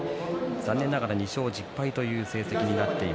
残念ながら２勝１０敗という成績。